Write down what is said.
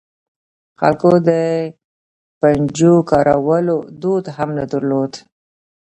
خلکو د پنجو کارولو دود هم نه درلود.